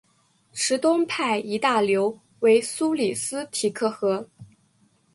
池东派一大流为苏里斯提克河。